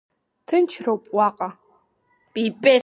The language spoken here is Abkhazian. Ҭынчроуп уаҟа.